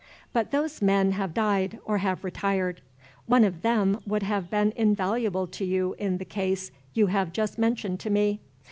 But those men have died, or have retired. One of them would have been invaluable to you in the case you have just mentioned to me.